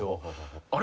あれ？